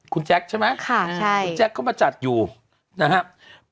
คุณแจ็คใช่ไหมคุณแจ็คเข้ามาจัดอยู่นะฮะค่ะใช่